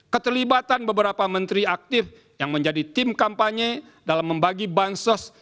keterlibatan beberapa menteri aktif yang menjadi tim kampanye dalam membagi bansos